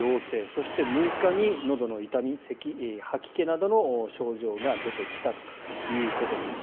そして、６日にのどの痛み、せき、吐き気などの症状が出てきたということです。